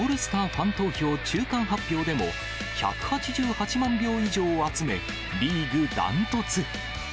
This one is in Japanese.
ファン投票中間発表でも、１８８万票以上を集め、リーグダントツ。